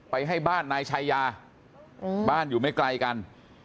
ให้บ้านนายชายาบ้านอยู่ไม่ไกลกัน